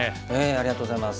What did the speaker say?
ありがとうございます。